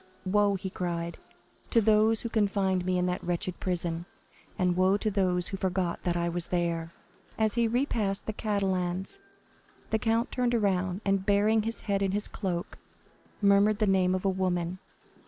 "Woe," he cried, "to those who confined me in that wretched prison; and woe to those who forgot that I was there!" 50229m As he repassed the Catalans, the count turned around and burying his head in his cloak murmured the name of a woman.